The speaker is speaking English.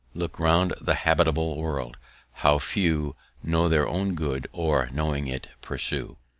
"Look round the habitable world, how few Know their own good, or, knowing it, pursue!"